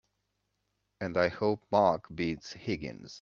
And I hope Mark beats Higgins!